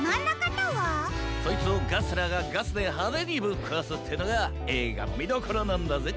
そいつをガスラがガスではでにぶっこわすってのがえいがのみどころなんだぜ。